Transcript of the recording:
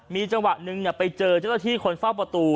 มีจังหวะนึงเนี่ยไปเจอเจ้าต้อที่คนเฝ้าประตู